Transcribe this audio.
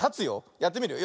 やってみるよ。